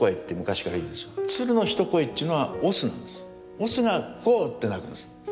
オスが「コウ」って鳴くんです。